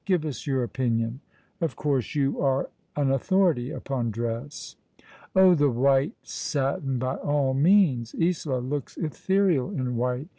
Give us your opinion. Of course you are an authority upon dress." " Oh, the white satin, by all means. Isola looks ethereal in white.